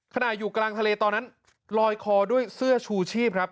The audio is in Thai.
อยู่กลางทะเลตอนนั้นลอยคอด้วยเสื้อชูชีพครับ